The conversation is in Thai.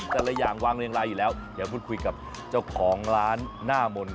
แต่ละอย่างวางเรียงรายอยู่แล้วเดี๋ยวพูดคุยกับเจ้าของร้านหน้ามนต์